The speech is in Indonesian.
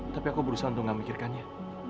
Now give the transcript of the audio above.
tapi aku berusaha untuk gak memikirkannya